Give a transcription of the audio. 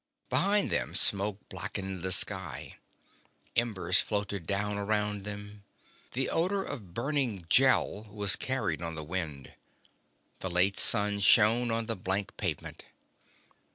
Behind them, smoke blackened the sky. Embers floated down around them. The odor of burning Gel was carried on the wind. The late sun shone on the blank pavement.